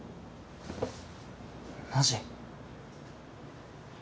マジ？